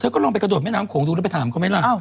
ก็ลองไปกระโดดแม่น้ำโขงดูแล้วไปถามเขาไหมล่ะ